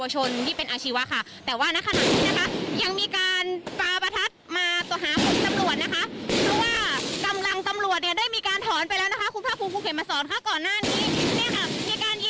เจ้าหน้าที่อยู่บ้างใช่ไหมคะตรงนี้ใช่ไหมครับ